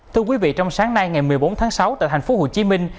thưa quý vị trong sáng nay ngày một mươi bốn tháng sáu tại hạnh phúc hồ chí minh